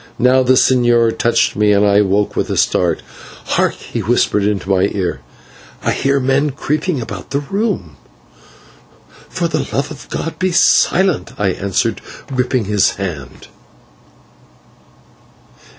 Now the señor touched me and I woke with a start. "Hark," he whispered into my ear, "I hear men creeping about the room." "For the love of God, be silent," I answered, gripping his hand.